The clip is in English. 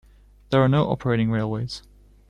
There are no operating railways.